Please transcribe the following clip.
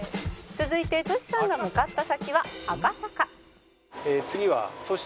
「続いてトシさんが向かった先は赤坂」